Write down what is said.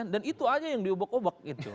dan itu saja yang diubuk ubuk